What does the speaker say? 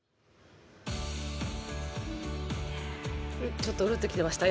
ちょっとうるっときました。